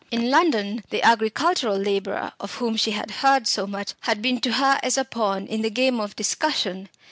In London the agricultural labourer, of whom she had heard much, had been to her as a pawn in the game of discussion.